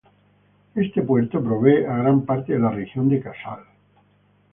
Este puerto provee a gran parte de la Región de Kansai.